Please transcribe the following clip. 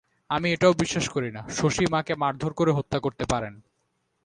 আমি এটাও বিশ্বাস করি না, শশী মাকে মারধর করে হত্যা করতে পারেন।